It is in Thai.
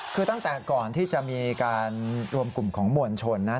คือตั้งแต่ก่อนที่จะมีการรวมกลุ่มของมวลชนนะ